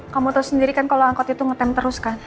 kamu tahu sendiri kan kalau angkot itu ngetem terus kan